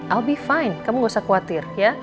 al be fine kamu gak usah khawatir ya